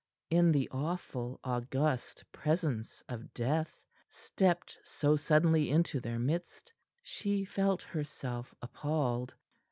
In the awful, august presence of death, stepped so suddenly into their midst, she felt herself appalled.